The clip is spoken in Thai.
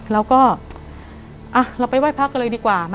แล้วก็เราไปไหว้พระกันเลยดีกว่า